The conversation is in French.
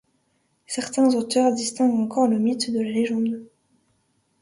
Certains auteurs distinguent encore le mythe de la légende.